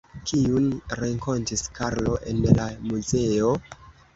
Kiun renkontis Karlo en la muzeo?